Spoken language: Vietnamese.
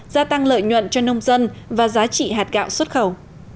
gia tăng lợi nhuận cho nông dân và giá trị hạt gạo xuất khẩu